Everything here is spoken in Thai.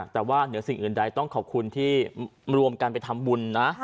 แต่ว่าเหนือสิ่งอื่นใดต้องขอบคุณที่รวมกันไปทำบุญนะ